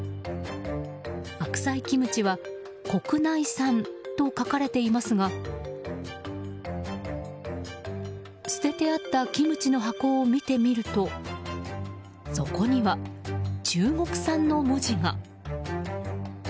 白菜キムチは国内産と書かれていますが捨ててあったキムチの箱を見てみるとそこには、「中国産」の文字が。